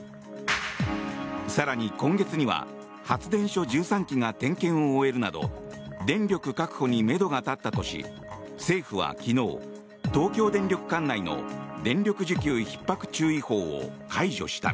更に、今月には発電所１３基が点検を終えるなど電力確保にめどが立ったとし政府は昨日、東京電力管内の電力需給ひっ迫注意報を解除した。